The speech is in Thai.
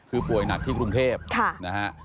คือป่วยหนักที่กรุงเทพฯนะฮะองค์ดี